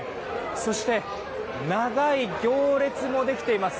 そして長い行列もできています。